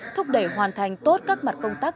thúc đẩy hoàn thành tốt các mặt công tác